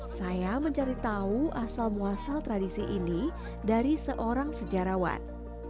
saya mencari tahu asal muasal tradisi ini dari seorang sejarawan